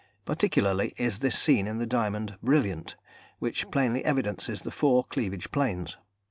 Particularly is this seen in the diamond "brilliant," which plainly evidences the four cleavage planes.